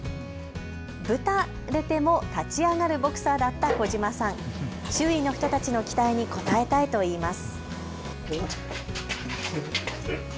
ブタれてれても立ち上がるボクサーだった児嶋さん、周囲の人たちの期待に応えたいといいます。